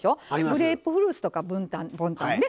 グレープフルーツとか文旦ね。